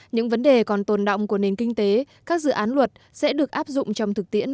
những vấn đề còn tồn động của nền kinh tế các dự án luật sẽ được áp dụng trong thực tiễn